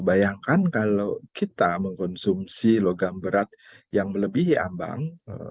bayangkan kalau kita mengkonsumsi logam berat yang melebihi ambang